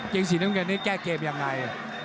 งสีน้ำเงินนี้แก้เกมยังไง